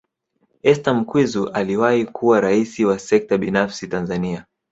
Esther Mkwizu aliwahi kuwa Rais wa Sekta Binafsi Tanzania